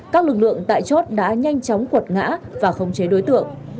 các lực lượng tại chốt đã nhanh chóng quật ngã và không chế đối tượng